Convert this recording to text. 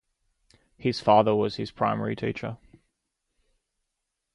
His father was his primary teacher.